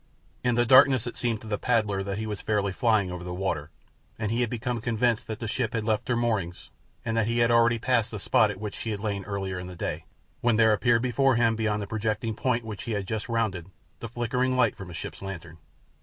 In the darkness it seemed to the paddler that he was fairly flying over the water, and he had become convinced that the ship had left her moorings and that he had already passed the spot at which she had lain earlier in the day, when there appeared before him beyond a projecting point which he had but just rounded the flickering light from a ship's lantern.